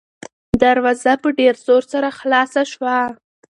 دروازه په ډېر زور سره خلاصه شوه.